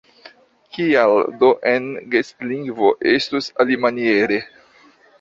Kial do en gestlingvo estus alimaniere?